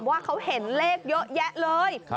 ว่าเขาเห็นเลขเยอะแยะเลย